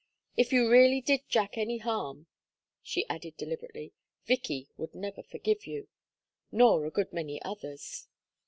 If you really did Jack any harm," she added, deliberately, "Vicky would never forgive you nor a good many others."